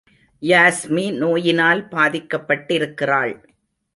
யாஸ்மி நோயினால் பாதிக்கப்பட்டிருக்கிறாள்.